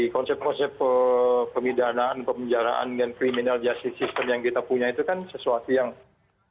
konsep konsep pemidanaan pemijaraan dan criminal justice system yang kita punya itu kan sesuatu yang